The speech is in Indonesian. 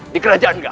di kerajaan galau